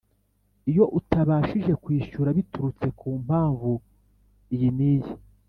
Iyo utabashije kwishyura biturutse ku mpamvu iyi n’iyi